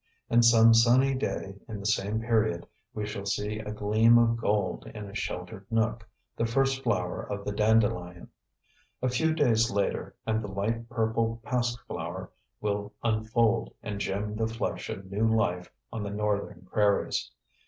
And some sunny day in the same period we shall see a gleam of gold in a sheltered nook, the first flower of the dandelion. A few days later and the light purple pasque flower will unfold and gem the flush of new life on the northern prairies.